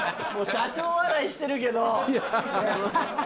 社長笑いしてるけど。